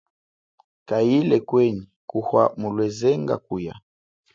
Kayile kwenyi kuwa mulwezanga kuya.